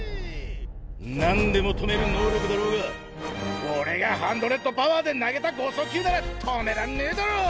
何でも止める能力だろうが俺がハンドレッドパワーで投げた剛速球なら止めらんねえだろ！